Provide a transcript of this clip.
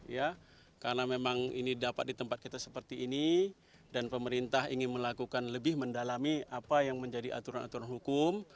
ya karena memang ini dapat di tempat kita seperti ini dan pemerintah ingin melakukan lebih mendalami apa yang menjadi aturan aturan hukum